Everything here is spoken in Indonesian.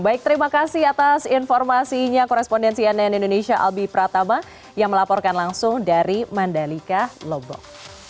baik terima kasih atas informasinya korespondensi nn indonesia albi pratama yang melaporkan langsung dari mandalika lombok